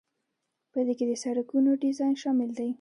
په دې کې د سړکونو ډیزاین شامل دی.